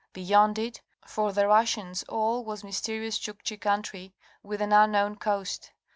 Beyond it, for the Russians all was mysterious Chukchi country with an unknown coast.